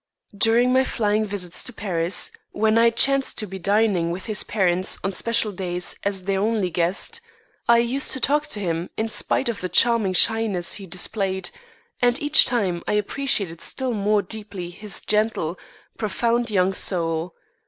During my flying visits to Paris, when I chanced to be dining with his parents on special days as their only guest, I used to talk to him in spite of the charming shyness he displayed, and each time I appreciated still more deeply his gentle, profound young soul.